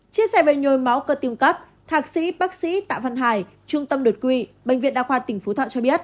chia sẻ về nhồi máu cơ tim cấp thạc sĩ bác sĩ tạ văn hải trung tâm đột quy bệnh viện đa khoa tỉnh phú thọ cho biết